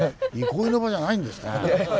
憩いの場じゃないんですね。